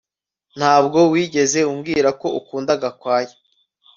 Ntabwo wigeze umbwira ko ukunda Gakwaya